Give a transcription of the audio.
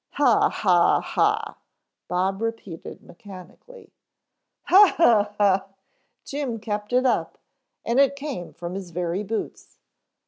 "Ha ha ha," Bob repeated mechanically. "Ha ha ha " Jim kept it up and it came from his very boots.